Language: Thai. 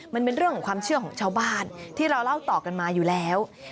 มันเป็นเรื่องของความเชื่อของชาวบ้านที่เราเล่าต่อกันมาอยู่แล้ว